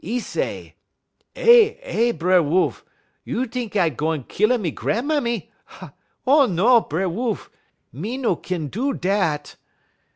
'E say: "'Eh eh, B'er Wolf, you t'ink I gwan kill a me gran'mammy? Oh, no, B'er Wolf! Me no kin do dat.'